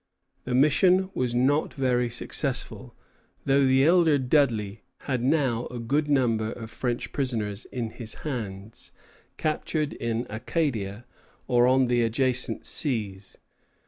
The mission was not very successful, though the elder Dudley had now a good number of French prisoners in his hands, captured in Acadia or on the adjacent seas.